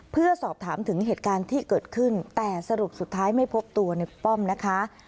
เพื่อสอบถามถึงเหตุการณ์ที่เกิดขึ้นแต่สรุปสุดท้ายไม่พบตัวในป้อมนะคะ